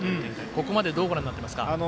ここまでどうご覧になっていますか？